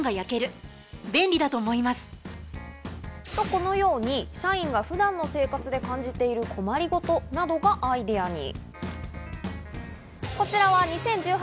このように、社員が普段の生活で感じている困り事などがアイデアに。